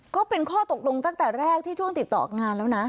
ก็เป็นข้อตกลงตั้งแต่แรกที่ช่วงติดต่องานแล้วนะ